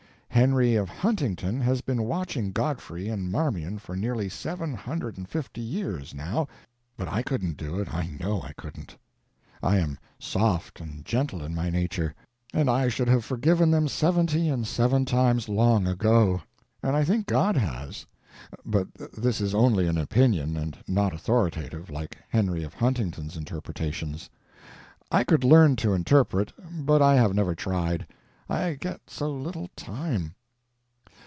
Henry of Huntington has been watching Godfrey and Marmion for nearly seven hundred and fifty years, now, but I couldn't do it, I know I couldn't. I am soft and gentle in my nature, and I should have forgiven them seventy and seven times, long ago. And I think God has; but this is only an opinion, and not authoritative, like Henry of Huntington's interpretations. I could learn to interpret, but I have never tried; I get so little time.